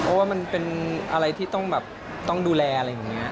โอ้ว่ามันเป็นอะไรที่ต้องดูแลอะไรอย่างนี้